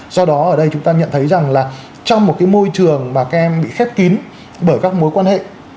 do đó ở đây chúng ta nhận thấy rằng là trong một cái môi trường mà các em bị khép kín bởi các mối quan hệ